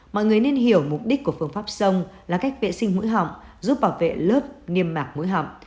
mọi người nên hiểu mục đích của phương pháp sông là cách vệ sinh mũi họng giúp bảo vệ lớp niêm mạc mũi họng